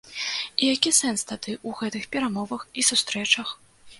І які сэнс тады ў гэтых перамовах і сустрэчах?